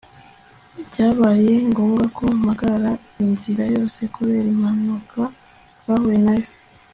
byabaye ngombwa ko mpagarara inzira yose kubera impanuka twhuye nayo